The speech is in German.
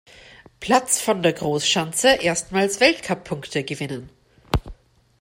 Platz von der Großschanze erstmals Weltcup-Punkte gewinnen.